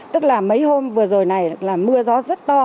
tức là mấy hôm vừa rồi này là mưa gió rất to